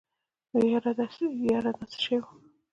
يره دا څه شی و.